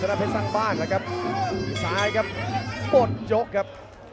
สร้างบ้านแล้วครับที่ซ้ายครับปลดโยกครับ